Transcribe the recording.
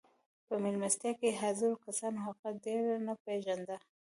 په مېلمستیا کې حاضرو کسانو هغه ډېر نه پېژانده